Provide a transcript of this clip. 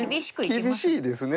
厳しいですね。